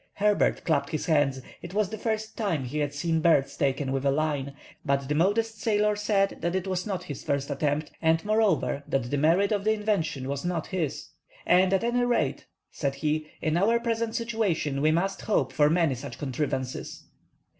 Herbert clapped his hands. It was the first time he had seen birds taken with a line; but the modest sailor said it was not his first attempt, and, moreover, that the merit of the invention was not his. "And at any rate," said he, "in our present situation we must hope for many such contrivances."